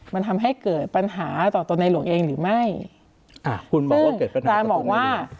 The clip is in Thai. มันทำให้เกิดปัญหาต่อตัวในหลวงเองหรือไม่อ่าคุณบอกว่าเกิดปัญหาอาจารย์บอกว่า